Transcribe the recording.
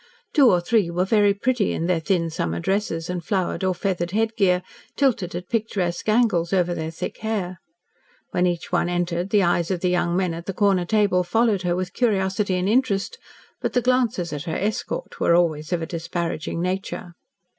Two or three were very pretty in their thin summer dresses and flowered or feathered head gear, tilted at picturesque angles over their thick hair. When each one entered the eyes of the young men at the corner table followed her with curiosity and interest, but the glances at her escort were always of a disparaging nature.